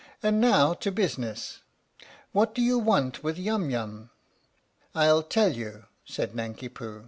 And now to business. What do you want with Yum Yum?" " I'll tell you," said Nanki Poo.